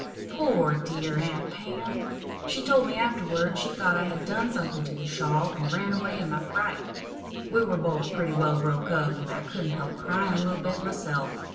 Poor, dear Aunt Pam! she told me afterward she thought I had done something to the shawl, and ran away in my fright. We were both pretty well broke up, and I couldn't help crying a little bit myself.